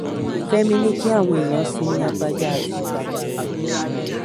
Fẹ́mi ní kí àwọn èèyàn sinmi agbaja àti ìbàjẹ́ rẹ̀.